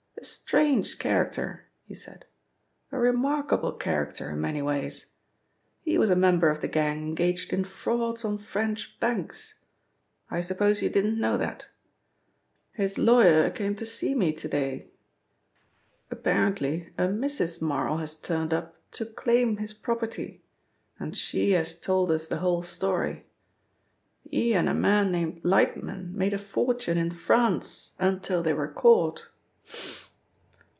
"A strange character," he said. "A remarkable character in many ways. He was a member of the gang engaged in frauds on French banks. I suppose you didn't know that? His lawyer came to see me to day. Apparently a Mrs. Marl has turned up to claim his property, and she has told the whole story. He and a man named Lightman made a fortune in France until they were caught.